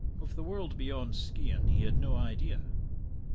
Of the world beyond Skeighan he had no idea.